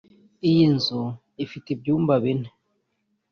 Iyi nzu ifite ibyumba bine